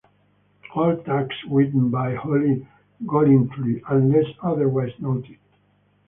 All tracks written by Holly Golightly unless otherwise noted.